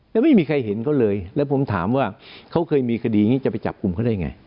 แล้วไม่มีใครเห็นเขาเลยแล้วผมถามว่าเขาเคยมีคดีอย่างนี้จะไปจับกลุ่มเขาได้ไง